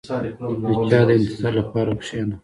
• د چا د انتظار لپاره کښېنه.